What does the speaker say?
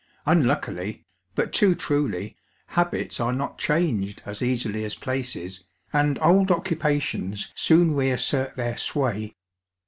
Unluckily, but too truly, habita are not changed as easily as places, and old occu pations soon re assert their sway.